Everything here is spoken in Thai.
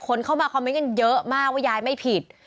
คนเข้ามาคอมเมนต์กันเยอะมากว่ายายไม่ผิด